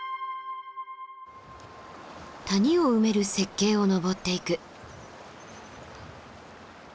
谷を埋める雪渓を登っていく。